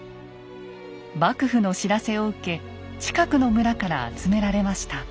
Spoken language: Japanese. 幕府の知らせを受け近くの村から集められました。